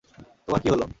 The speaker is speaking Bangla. তোমার কী হল!